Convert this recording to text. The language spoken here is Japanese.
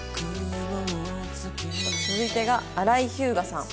続いてが荒井日向さん。